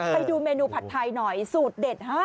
ไปดูเมนูผัดไทยหน่อยสูตรเด็ด